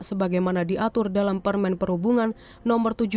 sebagaimana diatur dalam permen perhubungan no tujuh puluh tujuh